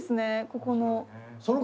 ここの。